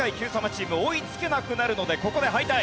チーム追いつけなくなるのでここで敗退。